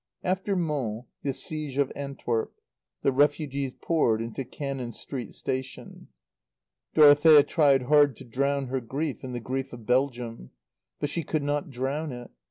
After Mons, the siege of Antwerp. The refugees poured into Cannon Street Station. Dorothea tried hard to drown her grief in the grief of Belgium. But she could not drown it.